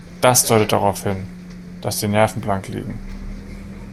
Das deutet darauf hin, dass die Nerven blank liegen.